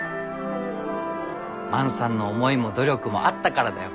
万さんの思いも努力もあったからだよ。